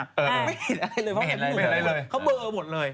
ไม่เห็นอะไรเลยเขาเบอร์หมดเลย